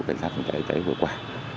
cảnh sát phòng cháy cháy vừa qua